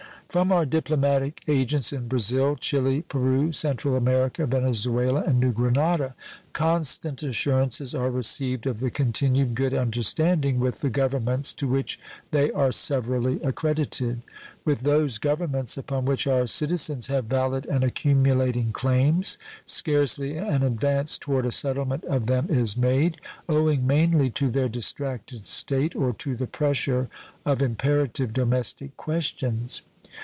From our diplomatic agents in Brazil, Chile, Peru, Central America, Venezuela, and New Granada constant assurances are received of the continued good understanding with the Governments to which they are severally accredited. With those Governments upon which our citizens have valid and accumulating claims, scarcely an advance toward a settlement of them is made, owing mainly to their distracted state or to the pressure of imperative domestic questions.